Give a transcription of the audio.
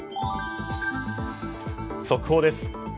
速報です。